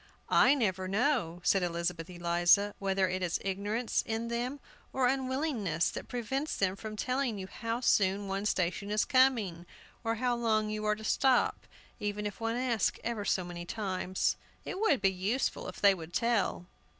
"I never know," said Elizabeth Eliza, "whether it is ignorance in them, or unwillingness, that prevents them from telling you how soon one station is coming, or how long you are to stop, even if one asks ever so many times. It would be useful if they would tell."